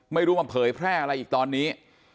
ไม่รู้มาเผยแพร่อะไรอีกตอนนี้